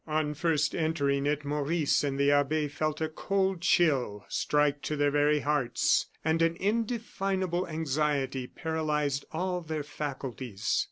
On first entering it, Maurice and the abbe felt a cold chill strike to their very hearts; and an indefinable anxiety paralyzed all their faculties.